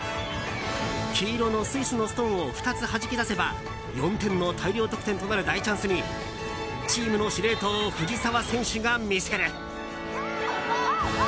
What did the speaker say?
黄色のスイスのストーンを２つはじき出せば、４点の大量得点となる大チャンスにチームの司令塔藤澤選手が見せる。